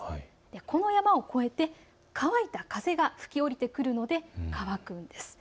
この山を越えて乾いた風が吹き降りてくるので乾くんです。